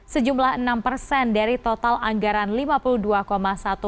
sejumlah enam persen dari total anggaran listrik